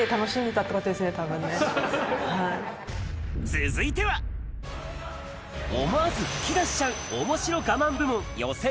続いては思わず噴き出しちゃう「面白ガマン」部門予選